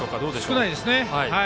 少ないですね。